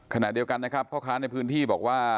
ขณะเดียวกันนะครับพ่อค้าในพื้นที่บอกว่า